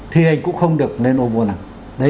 thì anh cũng không được lên ô vô năng